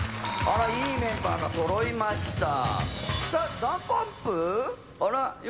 あらいいメンバーが揃いました